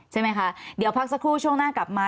ใช่ไหมคะเดี๋ยวพักสักครู่ช่วงหน้ากลับมา